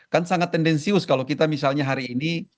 kan sangat tendensius kalau kita misalnya hari ini